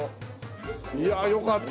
いやあよかった。